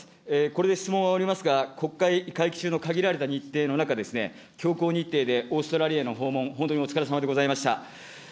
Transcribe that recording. これで質問は終わりますが、国会会期中の限られた日程の中、強行日程でオーストラリアの訪問、本当にお疲れさまでございました。